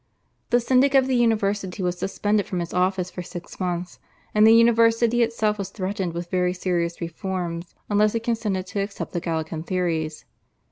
The syndic of the university was suspended from his office for six months, and the university itself was threatened with very serious reforms unless it consented to accept the Gallican theories.